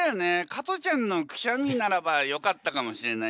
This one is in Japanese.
加トちゃんのくしゃみならばよかったかもしれないよね。